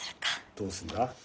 どうすんだ？